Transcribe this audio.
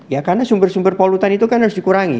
ya karena sumber sumber polutan itu kan harus dikurangi